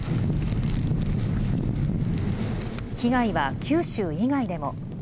被害は九州以外でも。